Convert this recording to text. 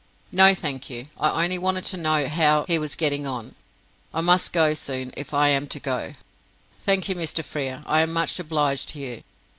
"No, thank you. I only wanted to know how he was getting on. I must go soon if I am to go. Thank you, Mr. Frere. I am much obliged to you.